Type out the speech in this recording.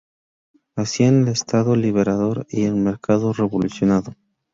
Hacia un Estado liberador y un mercado revolucionario".